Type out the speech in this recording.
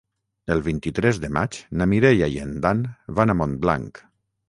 El vint-i-tres de maig na Mireia i en Dan van a Montblanc.